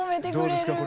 どうですか？